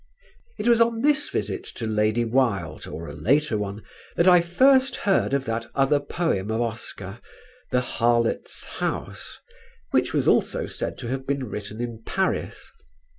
It was on this visit to Lady Wilde, or a later one, that I first heard of that other poem of Oscar, "The Harlot's House," which was also said to have been written in Paris.